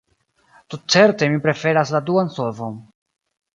Tutcerte mi preferas la duan solvon.